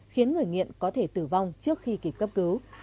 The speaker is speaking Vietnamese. khiến người nghiện có thể tử vong trước khi kịp cấp cứu